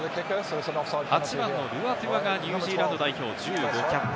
８番のルアトゥアがニュージーランド代表、１５キャップ。